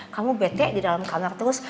kamu betek di dalam kamar terus